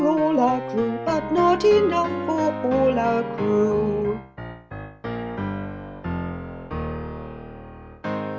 all our crew, But not e nough for all our crew.